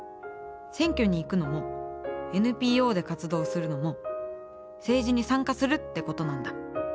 選挙に行くのもＮＰＯで活動するのも政治に参加するってことなんだ。